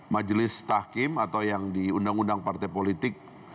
majelis tahkim atau yang di undang undang partai politik